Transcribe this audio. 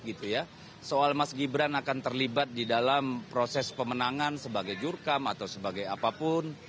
gitu ya soal mas gibran akan terlibat di dalam proses pemenangan sebagai jurkam atau sebagai apapun